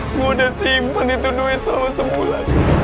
ayo gua udah simpen itu duit selama sebulan